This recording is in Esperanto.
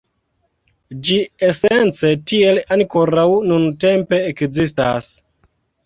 Ĝi esence tiel ankoraŭ nuntempe ekzistas.